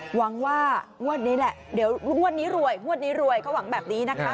หวังว่างวดนี้แหละเดี๋ยวงวดนี้รวยงวดนี้รวยเขาหวังแบบนี้นะคะ